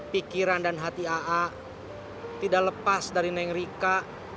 pikiran dan hati aa tidak lepas dari neng rika